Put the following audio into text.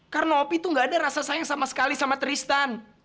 karena opi tuh nggak ada rasa sayang sama sekali sama tristan